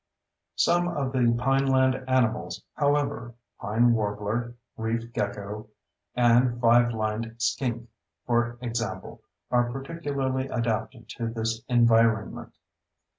Some of the pineland animals, however—pine warbler, reef gecko, and five lined skink, for example—are particularly adapted to this environment.